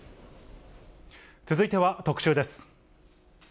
続いては特集です。